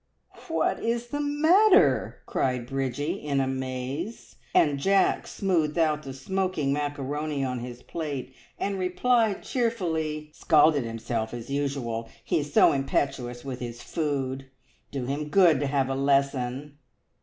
"What is the matter?" cried Bridgie in amaze, and Jack smoothed out the smoking macaroni on his plate and replied cheerfully "Scalded himself as usual! He is so impetuous with his food. Do him good to have a lesson."